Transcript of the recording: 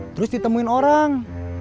terus ditemuin orang